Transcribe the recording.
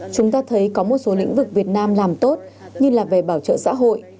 chúng ta thấy có một số lĩnh vực việt nam làm tốt như là về bảo trợ xã hội